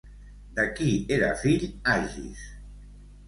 De qui era fill Agis?